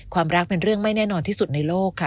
ความรักเป็นเรื่องไม่แน่นอนที่สุดในโลกค่ะ